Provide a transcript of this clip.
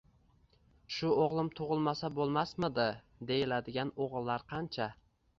“Shu o‘g‘lim tug‘ilmasa bo‘lmasmidi?!” deyiladigan o‘g‘illar qancha!